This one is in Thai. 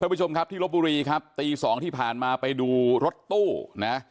ผู้ชมครับที่ลบบุรีครับตีสองที่ผ่านมาไปดูรถตู้นะ